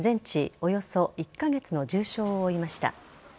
およそ１カ月の重傷を負いました。